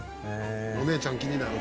お姉ちゃん気になる。